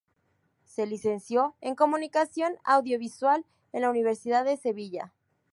Se licenció en Comunicación Audiovisual en la Universidad de Sevilla.